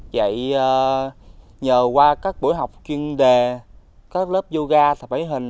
dạy nhờ qua các buổi học chuyên đề các lớp yoga thẩm báy hình